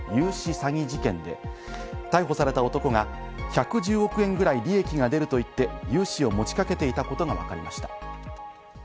詐欺事件で、逮捕された男が１１０億円ぐらい利益が出ると言って融資を持ちかけていたことがわかりました。